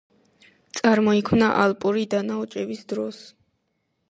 წარმოიქმნა ალპური დანაოჭების დროს.